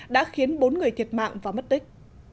đã khiến bốn người thiệt mạng và mất tích